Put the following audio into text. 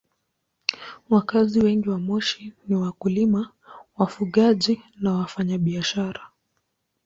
Wakazi wengi wa Moshi ni wakulima, wafugaji na wafanyabiashara.